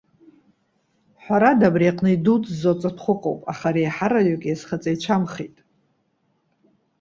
Ҳәарада, абри аҟны идуӡӡоу аҵатәхәы ыҟоуп, аха реиҳараҩык иазхаҵаҩцәамхеит.